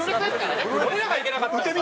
俺らがいけなかったんですか？